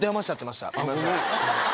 ごめんなさい。